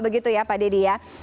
begitu ya pak dedy ya